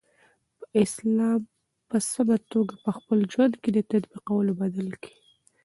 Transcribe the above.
د اسلام په سمه توګه په خپل ژوند کی د تطبیقولو په بدل کی